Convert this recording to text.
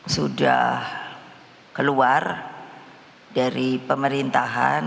sudah keluar dari pemerintahan